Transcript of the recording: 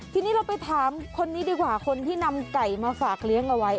ทีนี้เราไปถามคนที่นำไก่มาฝากเลี้ยงไว้